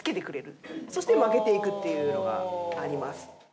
そして負けていくっていうのがあります。